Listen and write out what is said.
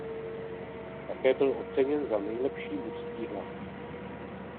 Také byl oceněn za nejlepší mužský hlas.